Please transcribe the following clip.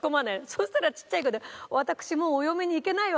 そしたらちっちゃい声で。